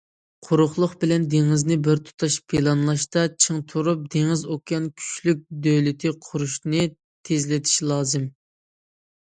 قۇرۇقلۇق بىلەن دېڭىزنى بىرتۇتاش پىلانلاشتا چىڭ تۇرۇپ، دېڭىز- ئوكيان كۈچلۈك دۆلىتى قۇرۇشنى تېزلىتىش لازىم.